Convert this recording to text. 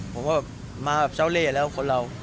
ผมก็มากับเจ้าเล่แล้วคนเรา